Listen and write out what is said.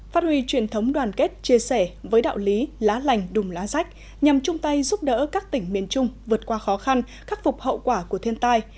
phát huy truyền thống đoàn kết chia sẻ với đạo lý lá lành đùm lá rách nhằm chung tay giúp đỡ các tỉnh miền trung vượt qua khó khăn khắc phục hậu quả của thiên tai